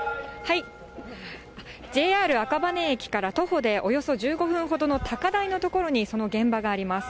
ＪＲ赤羽駅から徒歩でおよそ１５分ほどの高台の所に、その現場があります。